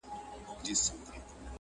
بويي تلم په توره شپه کي تر کهساره؛